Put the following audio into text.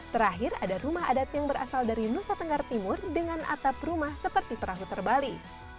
terakhir ada rumah adat yang berasal dari nusa tenggara timur dengan atap rumah seperti perahu terbali